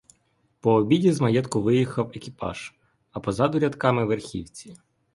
По обіді з маєтку виїхав екіпаж, а позаду рядками верхівці.